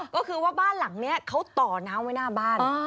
ก็คือว่าบ้านหลังนี้เขาต่อน้ำไว้หน้าบ้าน